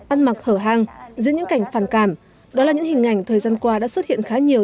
ăn mặc hở hang giữa những cảnh phản cảm đó là những hình ảnh thời gian qua đã xuất hiện khá nhiều